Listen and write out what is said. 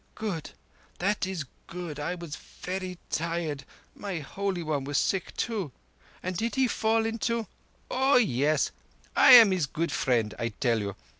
"Good. That is good. I was very tired. My Holy One was sick, too. And did he fall into—" "Oah yess. I am his good friend, I tell you.